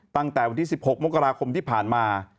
ตั้งแต่วันที่๑๖มกราคมที่ผ่านมา